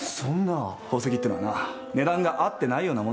宝石ってのはな値段があってないようなもんなんだ。